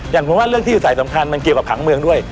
อย่างผมว่าเรื่องที่อยู่สายสำคัญมันเกี่ยวกับผังเมืองด้วย